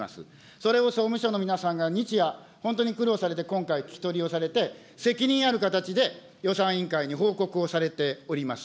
それを総務省の皆さんが日夜、本当に苦労されて今回、聞き取りをされて、責任ある形で予算委員会に報告をされております。